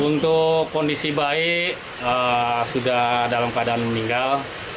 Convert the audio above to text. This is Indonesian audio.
untuk kondisi baik sudah dalam keadaan meninggal